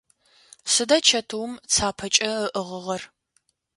Сыда чэтыум цапэкӏэ ыӏыгъыгъэр?